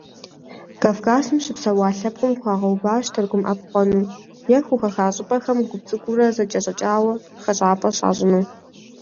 Кавказым щыпсэуа лъэпкъым хуагъэуващ Тыркум Ӏэпхъуэну, е хухаха щӀыпӀэхэм гуп цӀыкӀуурэ зэкӀэщӀэкӀауэ хэщӀапӀэ щащӀыну.